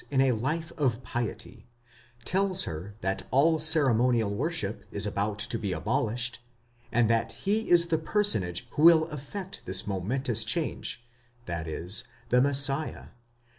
307 in a life of piety; tells her that all ceremonial worship is about to be abolished; and that he is the personage who will effect this momentous change, that is, the Messiah.